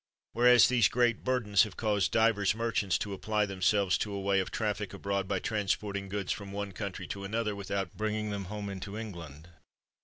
Whereas these great burdens have caused divers merchants to appiy them selves to a way of traffic abroad by transporting goods from one country to another, without bringing them home into England.